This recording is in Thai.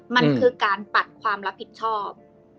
มันคือการปัดความรับผิดชอบ